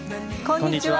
こんにちは。